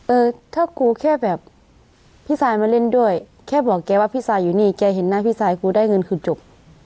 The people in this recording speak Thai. เออถ้ากูแค่แบบพี่ซายมาเล่นด้วยแค่บอกแกว่าพี่ซายอยู่นี่แกเห็นหน้าพี่ซายกูได้เงินคือจบ